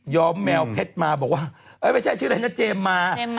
ย้อมแมวเม็ดมาบอกว่าเอ้ยไม่ใช่ชื่ออะไรนะเจมมา